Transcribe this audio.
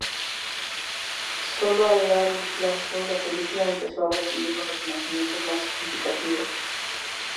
Solo a largo plazo, la película empezó a recibir los reconocimientos más significativos.